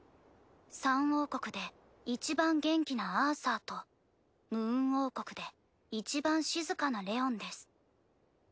サン王国でいちばん元気なアーサーとムーン王国でいちばん静かなレオンです。